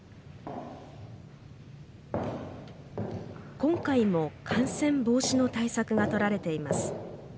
今回も感染防止の対策がとられています。